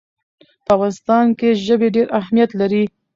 په افغانستان کې ژبې ډېر اهمیت لري.